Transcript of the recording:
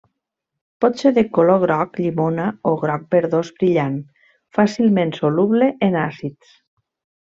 Pot ser de color groc llimona o groc verdós brillant, fàcilment soluble en àcids.